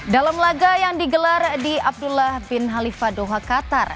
dalam laga yang digelar di abdullah bin halifa doha qatar